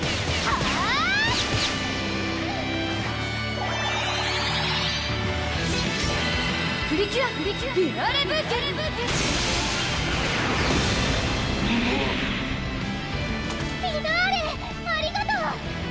ありがとう！